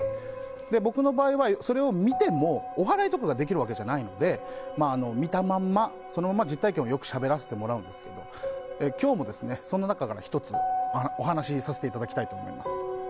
僕の場合はそれを見てもおはらいとかができるわけじゃないので見たまんまそのまま実体験を、よくしゃべらせてもらうんですけど今日もそんな中から１つお話しさせていただきたいと思います。